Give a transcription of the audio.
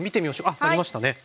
あっ鳴りましたね。